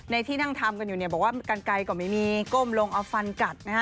ที่นั่งทำกันอยู่เนี่ยบอกว่ากันไกลก็ไม่มีก้มลงเอาฟันกัดนะฮะ